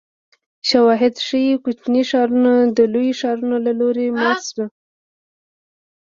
شواهد ښيي کوچني ښارونه د لویو ښارونو له لوري مات شوي